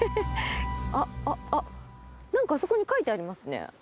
あっ、なんかあそこに書いてありますね。